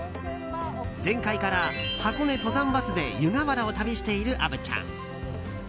前回から箱根登山バスで湯河原を旅している虻ちゃん。